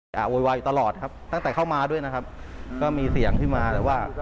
อย่าวไม่อยู่ตลอดครับตั้งแต่เข้ามาด้วยนะครับก็มีเสียงที่มาแล้ว